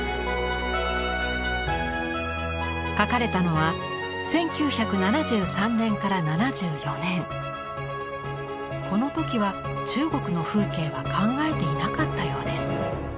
書かれたのは１９７３年から７４年この時は中国の風景は考えていなかったようです。